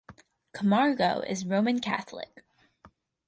Camargo is Roman Catholic.